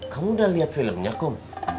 kamu udah liat filmnya kum